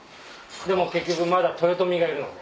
でも結局まだ豊臣がいるので。